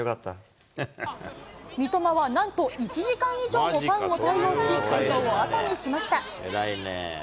三笘はなんと１時間以上もファンを対応し、会場を後にしました。